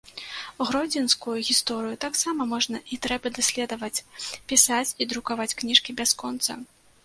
Гродзенскую гісторыю таксама можна і трэба даследаваць, пісаць і друкаваць кніжкі бясконца.